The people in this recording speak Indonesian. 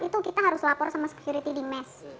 itu kita harus lapor sama security di mes